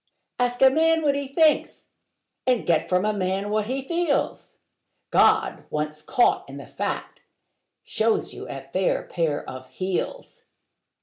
Ask a man what he thinks, and get from a man what he feels: God, once caught in the fact, shows you a fair pair of heels.